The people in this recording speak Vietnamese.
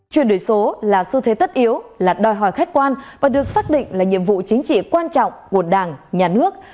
chuyển đổi số là xu thế tất yếu là đòi hỏi khách quan và được xác định là nhiệm vụ chính trị quan trọng của đảng nhà nước